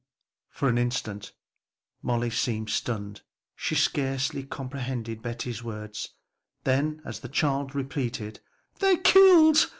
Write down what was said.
For an instant Molly seemed stunned, she scarcely comprehended Betty's words, then as the child repeated, "They're killed!